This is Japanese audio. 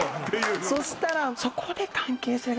そしたらそこで。